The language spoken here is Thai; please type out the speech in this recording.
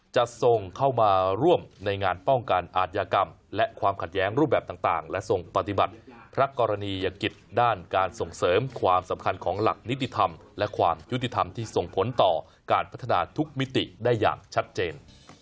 จะส่งเข้ามาร่วมในงานป้องกันอาทยากรรมและความขัดแย้งรูปแบบต่างและทรงปฏิบัติพระกรณียกิจด้านการส่งเสริมความสำคัญของหลักนิติธรรมและความยุติธรรมที่ส่งผลต่อการพัฒนาทุกมิติได้อย่างชัดเจน